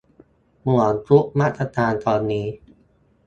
เหมือนทุกมาตราการตอนนี้